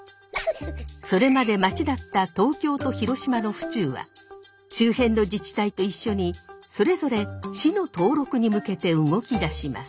それまで町だった東京と広島の府中は周辺の自治体と一緒にそれぞれ市の登録に向けて動き出します。